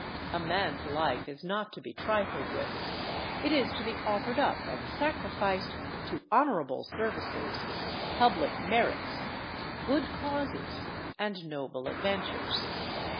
A man's life is not to be trifled with; it is to be offered up and sacrificed to honourable services, public merits, good causes, and noble adventures.